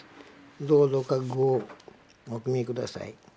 どうぞ覚悟をお決め下さい。